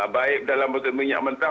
baik dalam minyak mentah